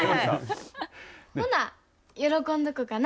ほな喜んどくかな。